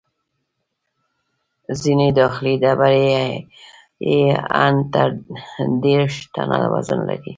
ځینې داخلي ډبرې یې ان دېرش ټنه وزن لري.